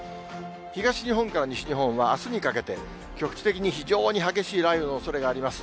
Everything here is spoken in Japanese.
東日本から西日本は、あすにかけて、局地的に非常に激しい雷雨のおそれがあります。